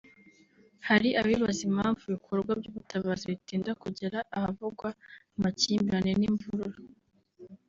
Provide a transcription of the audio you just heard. Hari abibaza impamvu ibikorwa by’ubutabazi bitinda kugera ahavugwa amakimbirane n’imvururu